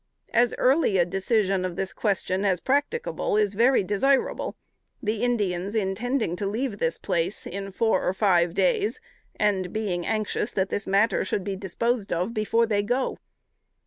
As early a decision of this question as practicable, is very desirable: the Indians intending to leave this place in four or five days, and being anxious that this matter should be disposed of before they go.